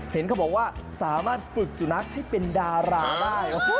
เห็นเขาบอกว่าสามารถฝึกสุนัขให้เป็นดาราได้